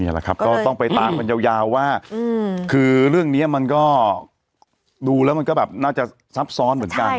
แหละครับก็ต้องไปตามกันยาวว่าคือเรื่องนี้มันก็ดูแล้วมันก็แบบน่าจะซับซ้อนเหมือนกัน